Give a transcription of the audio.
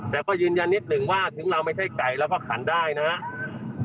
แต่ก็ยืนยันนิดหนึ่งว่าถึงเราไม่ใช่ไก่เราก็ขันได้นะครับ